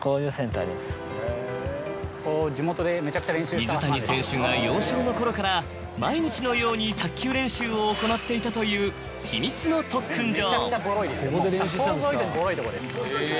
水谷選手が幼少のころから毎日のように卓球練習を行っていたという秘密の特訓場。